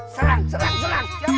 serang serang serang